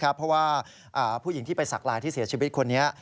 เพราะว่าผู้หญิงที่ไปสักลายที่เสียชีวิตคนนี้